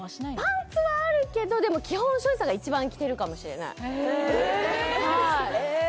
パンツはあるけどでも基本庄司さんが一番着てるかもしれないへえ